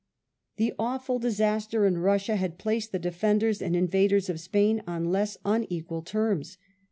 The awful disaster in Sussia had placed the defenders and invaders of Spain on less unequal terms.